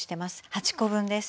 ８コ分です。